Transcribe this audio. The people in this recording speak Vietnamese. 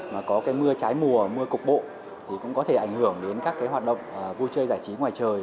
mà có cái mưa trái mùa mưa cục bộ thì cũng có thể ảnh hưởng đến các cái hoạt động vui chơi giải trí ngoài trời